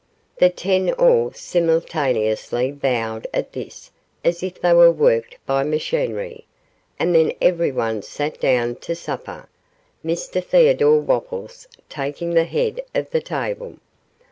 The ten all simultaneously bowed at this as if they were worked by machinery, and then everyone sat down to supper, Mr Theodore Wopples taking the head of the table.